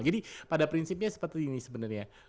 jadi pada prinsipnya seperti ini sebenarnya